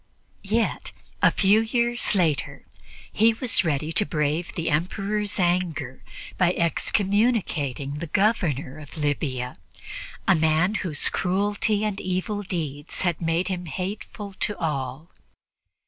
Yet a few years later he was ready to brave the Emperor's anger by excommunicating the Governor of Libya, a man whose cruelty and evil deeds had made him hateful to all.